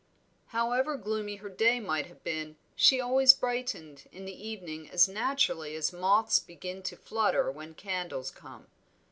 However gloomy her day might have been she always brightened in the evening as naturally as moths begin to flutter when candles come.